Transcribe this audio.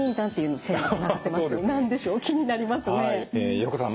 横手さん